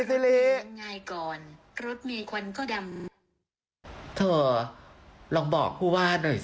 ก็เลยงายก่อนรถมีควันก็ดำเถอะลองบอกผู้ว่าหน่อยสิ